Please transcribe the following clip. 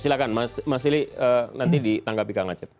silahkan mas ili nanti ditangkapi kang acep